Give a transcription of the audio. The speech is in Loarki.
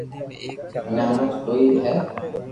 مني ھمج ڪوئي ّئي